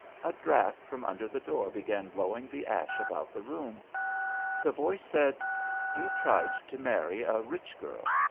A draught from under the door began blowing the ash about the room. The voice said "You tried to marry a rich girl.